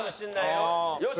よし！